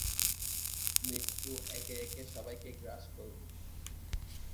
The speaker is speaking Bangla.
মৃত্যু একে একে সবাইকে গ্রাস করতে থাকে।